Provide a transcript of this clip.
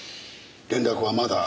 連絡はまだ？